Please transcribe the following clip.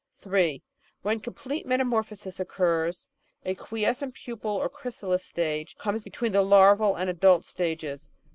(8) When complete metamorphosis occurs, a quiescent pupal or chrysalis stage comes between the larval and adult stages.